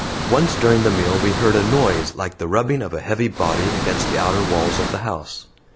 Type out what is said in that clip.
Once during the meal we heard a noise like the rubbing of a heavy body against the outer walls of the house.